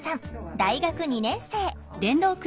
大学２年生。